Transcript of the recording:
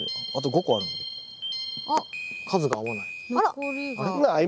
数が合わない。